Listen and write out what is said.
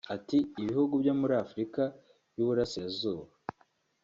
Ati “Ibihugu byo muri Afurika y’u Burasirazuba